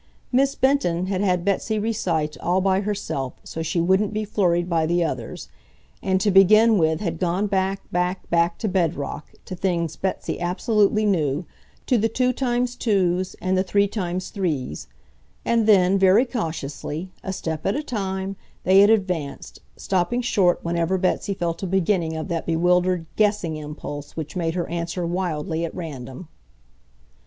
Miss Benton had had Betsy recite all by herself, so she wouldn't be flurried by the others; and to begin with had gone back, back, back to bedrock, to things Betsy absolutely knew, to the 2x2's and the 3x3's. And then, very cautiously, a step at a time, they had advanced, stopping short whenever Betsy felt a beginning of that bewildered "guessing" impulse which made her answer wildly at random.